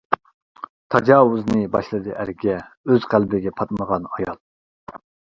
تاجاۋۇزنى باشلىدى ئەرگە، ئۆز قەلبىگە پاتمىغان ئايال.